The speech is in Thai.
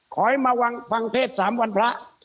ขอให้มาฟังเทศสามวันพระ